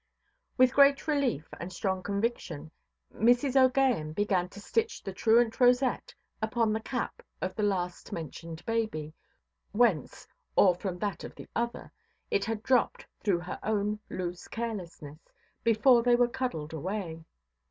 With great relief and strong conviction, Mrs. OʼGaghan began to stitch the truant rosette upon the cap of the last–mentioned baby, whence (or from that of the other) it had dropped through her own loose carelessness, before they were cuddled away.